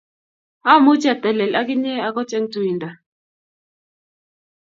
Amuchi atelel akinye akot eng tuindo